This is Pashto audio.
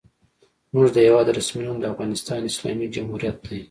زموږ د هېواد رسمي نوم افغانستان اسلامي جمهوریت دی.